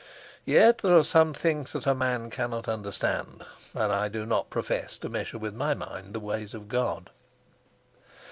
Yet there are some things that a man cannot understand, and I do not profess to measure with my mind the ways of God.